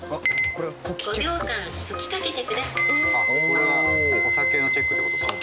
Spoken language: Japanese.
これはお酒のチェックって事か。